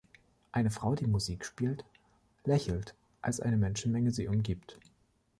Eine Frau, die Musik spielt, lächelt, als eine Menschenmenge sie umgibt.